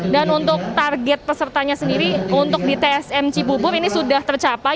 dan untuk target pesertanya sendiri untuk di tsm cibubur ini sudah tercapai